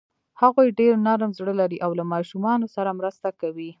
هغوی ډېر نرم زړه لري او له ماشومانو سره مرسته کوي.